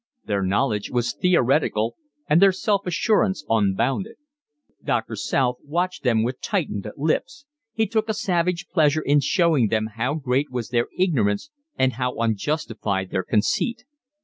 Their knowledge was theoretical and their self assurance unbounded. Doctor South watched them with tightened lips; he took a savage pleasure in showing them how great was their ignorance and how unjustified their conceit.